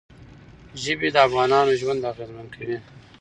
ژبې د افغانانو ژوند اغېزمن کوي.